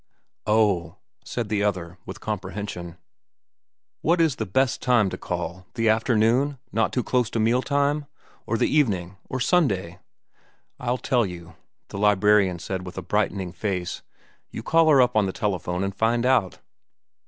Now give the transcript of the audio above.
"Oh," said the other, with comprehension. "What is the best time to call? The afternoon?—not too close to meal time? Or the evening? Or Sunday?" "I'll tell you," the librarian said with a brightening face. "You call her up on the telephone and find out."